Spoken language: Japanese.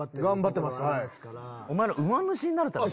お前ら馬主になるため？